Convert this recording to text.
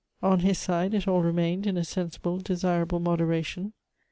On his side it all remained in a sensible, desirable moderation.